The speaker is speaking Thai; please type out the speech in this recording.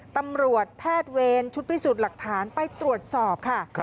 ตำรวจแพทย์เวรชุดพิสูจน์หลักฐานไปตรวจสอบค่ะ